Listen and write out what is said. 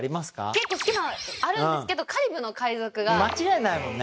結構好きなのあるんですけどカリブの海賊が間違いないもんね